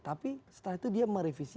tapi setelah itu dia merevisi